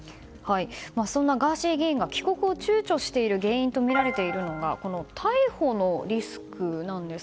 そんなガーシー議員が帰国を躊躇している原因とみられているのが逮捕のリスクなんです。